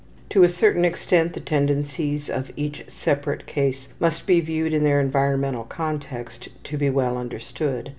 To a certain extent the tendencies of each separate case must be viewed in their environmental context to be well understood.